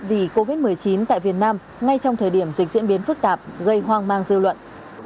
vì covid một mươi chín tại việt nam ngay trong thời điểm dịch diễn biến phức tạp gây hoang mang dư luận